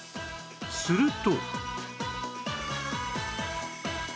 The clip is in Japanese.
すると